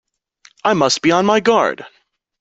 I must be on my guard!